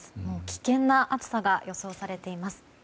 危険な暑さが予想されています。